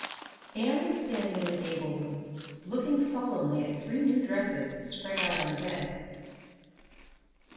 Anne was standing in the gable room, looking solemnly at three new dresses spread out on the bed.